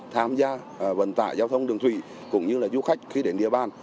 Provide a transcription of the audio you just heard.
tham gia vận tải giao thông đường thủy cũng như là du khách khi đến địa bàn